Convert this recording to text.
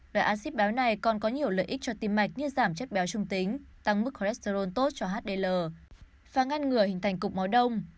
loại acid béo này còn có nhiều lợi ích cho tim mạch như giảm chất béo trung tính tăng mức cholesterol tốt cho hdl và ngăn ngừa hình thành cục máu đông